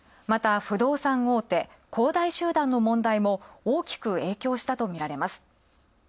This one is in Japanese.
また不動産大手、恒大集団の問題も大きく影響したと見られます。